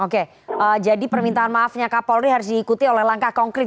oke jadi permintaan maafnya kapolri harus diikuti oleh langkah konkret